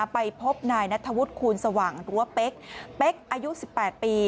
ไปพบนายนัทธวุฒิคูณสว่างหรือว่าเป๊กเป๊กอายุ๑๘ปี